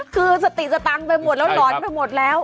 คือสติสตังค์ไปหมดแล้วหลอนไปหมดแล้ว